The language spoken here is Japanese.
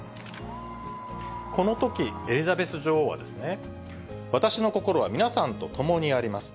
このとき、エリザベス女王は、私の心は皆さんと共にあります。